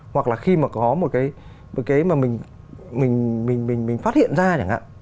hoặc là khi mà có một cái mà mình phát hiện ra chẳng hạn